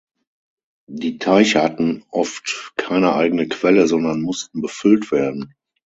Die Teiche hatten oft keine eigene Quelle, sondern mussten befüllt werden.